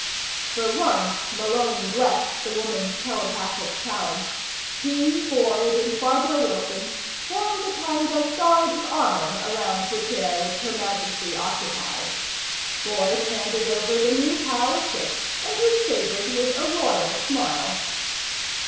For once Malone blessed the woman's telepathic talent. He, Boyd and Barbara Wilson formed a kind of Guard of Honor around the chair which Her Majesty occupied. Boyd handed over the new pile of chips, and was favored with a royal smile.